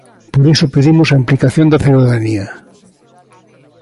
Por iso pedimos a implicación da cidadanía.